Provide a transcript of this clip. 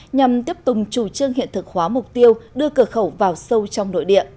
nhằm tiếp tục chủ trương hiện thực hóa mục tiêu đưa cửa khẩu vào sâu trong nội địa